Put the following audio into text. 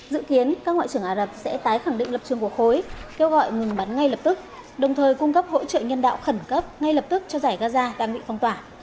dự kiến các ngoại trưởng ả rập sẽ tái khẳng định lập trường của khối kêu gọi ngừng bắn ngay lập tức đồng thời cung cấp hỗ trợ nhân đạo khẩn cấp ngay lập tức cho giải gaza đang bị phong tỏa